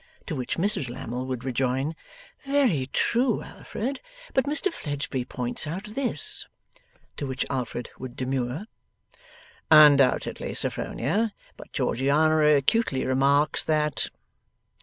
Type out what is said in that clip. To which Mrs Lammle would rejoin, 'Very true, Alfred; but Mr Fledgeby points out,' this. To which Alfred would demur: 'Undoubtedly, Sophronia, but Georgiana acutely remarks,' that.